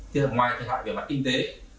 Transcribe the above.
thế là ngoài thời gian về mặt kinh tế